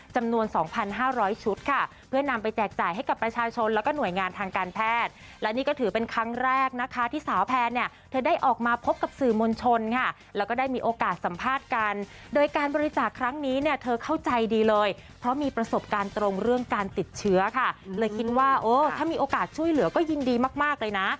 จำนวน๒๕๐๐ชุดค่ะเพื่อนำไปแจกจ่ายให้กับประชาชนแล้วก็หน่วยงานทางการแพทย์และนี่ก็ถือเป็นครั้งแรกนะคะที่สาวแพนเนี่ยเธอได้ออกมาพบกับสื่อมวลชนค่ะแล้วก็ได้มีโอกาสสัมภาษณ์กันโดยการบริจาคครั้งนี้เนี่ยเธอเข้าใจดีเลยเพราะมีประสบการณ์ตรงเรื่องการติดเชื้อค่ะเลยคิดว่าโอ้ถ้ามีโอกาสช่วยเหลือก็ยินดีมากเลยนะ